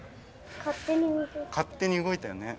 勝手に動いたよね。